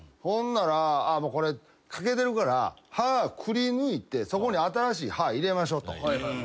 ほんなら「これ欠けてるから歯くり抜いてそこに新しい歯入れましょう」と。